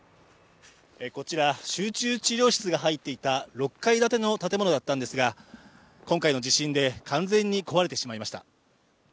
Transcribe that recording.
こちら、集中治療室が入っていた６階建ての建物だったんですが、今回の地震で完全に壊れてしまいました。